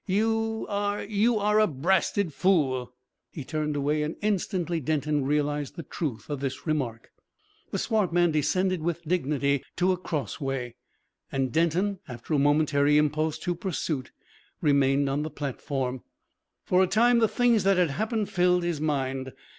you are you are a brasted fool!" He turned away, and instantly Denton realised the truth of this remark. The swart man descended with dignity to a cross way, and Denton, after a momentary impulse to pursuit, remained on the platform. For a time the things that had happened filled his mind.